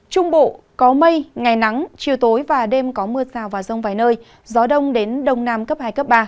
trung bộ có mây ngày nắng chiều tối và đêm có mưa rào và rông vài nơi gió đông đến đông nam cấp hai cấp ba